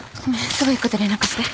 すぐ行くって連絡して。